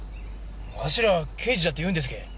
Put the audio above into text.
「わしらは刑事じゃ」って言うんですけぇ？